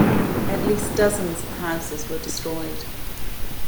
At least dozens of houses were destroyed.